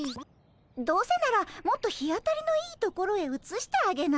どうせならもっと日当たりのいい所へうつしてあげないかい？